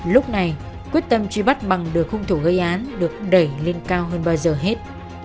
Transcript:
lúc này quyết tâm truy bắt bằng đường khung thủ gây án được đẩy lên cao hơn bao giờ hết